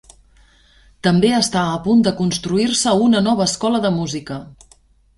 També està a punt de construir-se una nova Escola de Música.